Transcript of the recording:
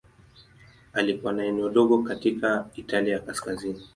Alikuwa na eneo dogo katika Italia ya Kaskazini.